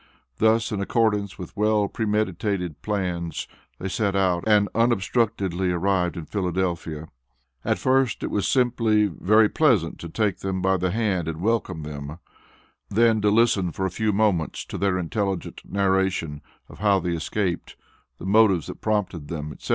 Thus in accordance with well premeditated plans, they set out and unobstructedly arrived in Philadelphia. At first it was simply very pleasant to take them by the hand and welcome them; then to listen for a few moments to their intelligent narration of how they escaped, the motives that prompted them, etc.